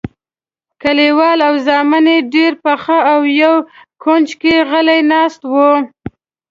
کلیوال او زامن یې ډېر خپه او یو کونج کې غلي ناست وو.